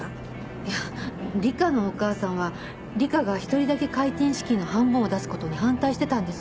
いや里香のお母さんは里香が一人だけ開店資金の半分を出すことに反対してたんです。